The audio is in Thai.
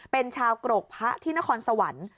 เป็นชาวกรกพระที่นครสวรรค์